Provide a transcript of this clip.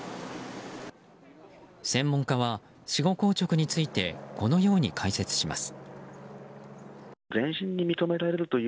専門家は、死後硬直についてこのように解説します。